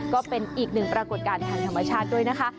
ก็เป็นอีกหนึ่งปรากฏการณ์ทางธรรมชาติด้วยนะคะ